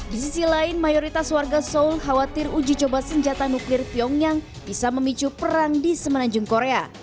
di sisi lain mayoritas warga seoul khawatir uji coba senjata nuklir pyongyang bisa memicu perang di semenanjung korea